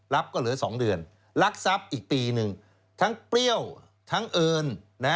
ก็เหลือ๒เดือนลักทรัพย์อีกปีหนึ่งทั้งเปรี้ยวทั้งเอิญ